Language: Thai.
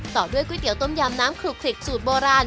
ต่อด้วยก๋วยเตี๋ยต้มยำน้ำคลุกคลิกสูตรโบราณ